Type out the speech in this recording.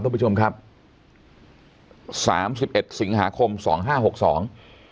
ท่านผู้ชมครับสามสิบเอ็ดสิงหาคมสองห้าหกสอง